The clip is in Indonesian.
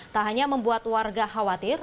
tak hanya membuat warga khawatir